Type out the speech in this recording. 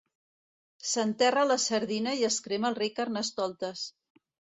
S'enterra la sardina i es crema el rei Carnestoltes.